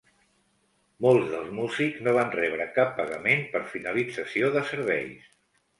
Molts dels músics no van rebre cap pagament per finalització de serveis.